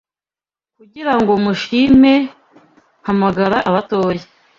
Kugira ngo mushime Mpamagara abatoya